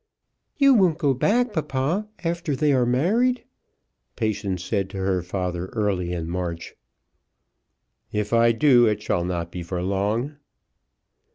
"You won't go back, papa, after they are married," Patience said to her father, early in March. "If I do it shall not be for long."